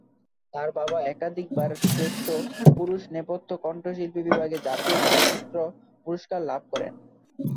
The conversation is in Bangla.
তার বাবা একাধিক বার শ্রেষ্ঠ পুরুষ নেপথ্য কণ্ঠশিল্পী বিভাগে জাতীয় চলচ্চিত্র পুরস্কার লাভ করেন।